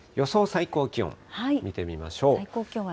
最高気温見てみましょう。